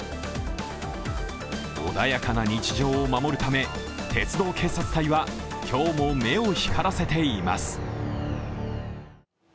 穏やかな日常を守るため鉄道警察隊は今日も目を光らせています。